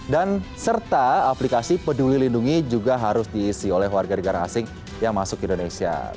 dan serta aplikasi peduli lindungi juga harus diisi oleh warga negara asing yang masuk ke indonesia